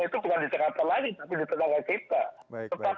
itu bukan di jakarta lagi tapi di tetangga kita